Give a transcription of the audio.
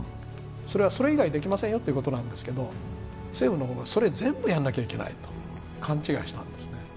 それはそれ以外できませんよということなんですけれども、政府の方はそれを全部やらなきゃいけないと勘違いしたんですね。